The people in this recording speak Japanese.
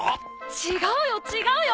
違うよ違うよ！